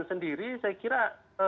sendiri saya kira